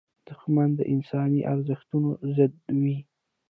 دښمن د انساني ارزښتونو ضد وي